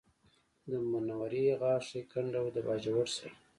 د منورې غاښی کنډو د باجوړ سره